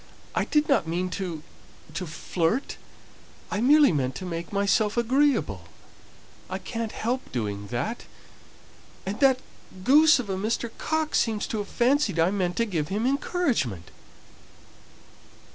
I did not mean to to flirt. I merely meant to make myself agreeable, I can't help doing that, and that goose of a Mr. Coxe seems to have fancied I meant to give him encouragement."